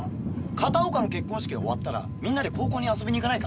片岡の結婚式が終わったらみんなで高校に遊びに行かないか？